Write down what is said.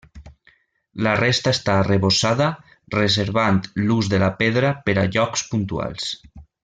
La resta està arrebossada, reservant l'ús de la pedra per a llocs puntuals.